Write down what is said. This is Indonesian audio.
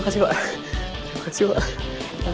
betul pakai ini